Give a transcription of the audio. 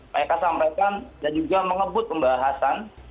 mereka sampaikan dan juga mengebut pembahasan